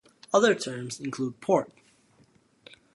Other terms include port.